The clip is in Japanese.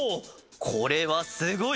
これはすごい！